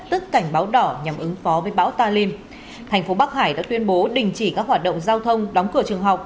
tức cảnh báo đỏ nhằm ứng phó với bão talim thành phố bắc hải đã tuyên bố đình chỉ các hoạt động giao thông đóng cửa trường học